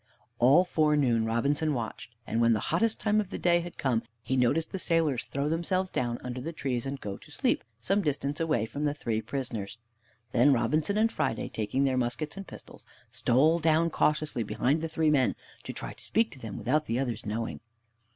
All forenoon Robinson watched, and when the hottest time of the day had come, he noticed the sailors throw themselves down under the trees, and go to sleep, some distance away from the three prisoners. Then Robinson and Friday, taking their muskets and pistols, stole down cautiously behind the three men, to try to speak to them without the others knowing.